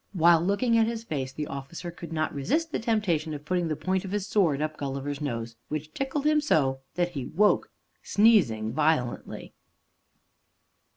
While looking at his face, the officer could not resist the temptation of putting the point of his sword up Gulliver's nose, which tickled him so that he woke, sneezing violently.